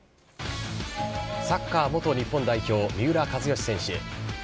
サッカー元日本代表、三浦知良選手。